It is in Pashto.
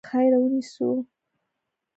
او د ادریاتیک سمندر ټول سواحل به له خیره، ونیسو.